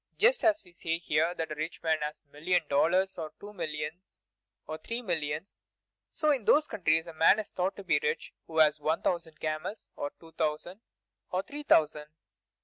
Just as we say here that a rich man has a million dollars, or two millions, or three millions, so in those countries a man is thought to be rich who has one thousand camels, or two thousand, or three thousand.